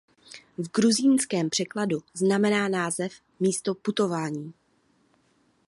V gruzínském překladu znamená název "místo putování".